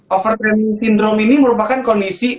overtraining syndrome ini merupakan kondisi